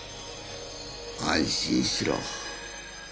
安心しろ。